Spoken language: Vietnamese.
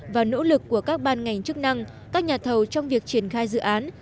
và nỗ lực của các ban ngành chức năng các nhà thầu trong việc triển khai dự án